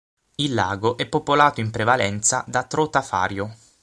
Il lago è popolato in prevalenza da trota fario.